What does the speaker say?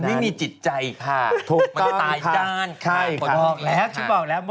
มันไม่มีจิตใจค่ะ